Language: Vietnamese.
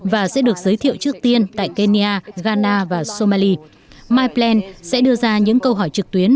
và sẽ được giới thiệu trước tiên tại kenya ghana và somalipplen sẽ đưa ra những câu hỏi trực tuyến